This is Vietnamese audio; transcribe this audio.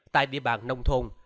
tại địa bàn nông thôn